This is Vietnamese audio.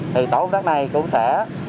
thì tổ công tác này cũng sẽ